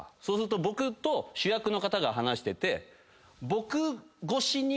そうすると僕と主役の方が話してて。